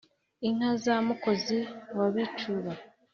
inka za mukozi wa bicuba